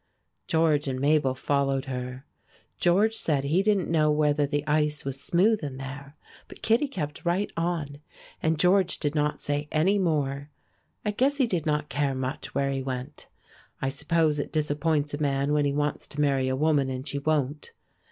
George and Mabel followed her. George said he didn't know whether the ice was smooth in there, but Kittie kept right on, and George did not say any more. I guess he did not care much where he went. I suppose it disappoints a man when he wants to marry a woman and she won't.